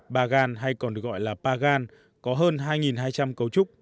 bagan hay còn được gọi là pagan có hơn hai hai trăm linh cấu trúc